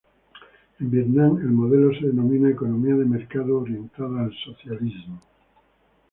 En Vietnam el modelo se denomina economía de mercado orientada al socialismo.